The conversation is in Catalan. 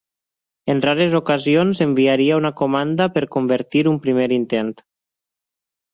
En rares ocasions enviaria una comanda per convertir un primer intent.